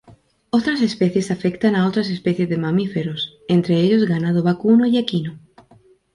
Otras especies afectan a otras especies de mamíferos, entre ellos ganado vacuno y equino.